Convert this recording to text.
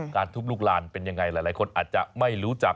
ทุบลูกลานเป็นยังไงหลายคนอาจจะไม่รู้จัก